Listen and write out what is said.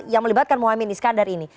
yang melibatkan mohaimin iskandar ini